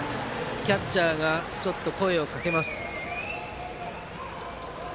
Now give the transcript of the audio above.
キャッチャーが声をかけます。